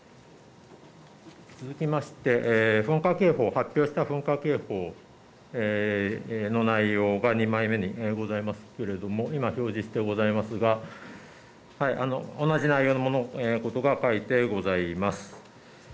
続きまして、噴火警報を発表した噴火警報の内容が２枚目にございますけれども今、表示してございますが同じ内容のことが書いてございます。